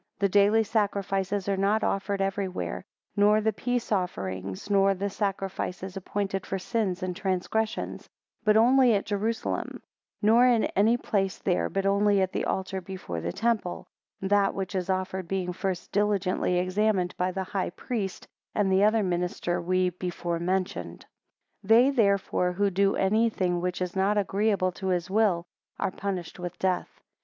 20 The daily sacrifices are not offered everywhere; nor the peace offerings, nor the sacrifices appointed for sins and transgressions; but only at Jerusalem: nor in any place there, but only at the altar before the temple; that which is offered being first diligently examined by the high priest and the other minister we before mentioned. 21 They therefore who do any thing which is not agreeable to his will, are punished with death.